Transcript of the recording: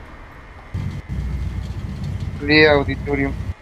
H. Lee Auditorium.